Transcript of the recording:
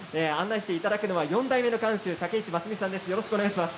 案内していただきますのは四代目の館主武石真澄さんです。